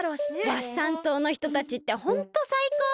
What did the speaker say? ワッサン島のひとたちってホントさいこう！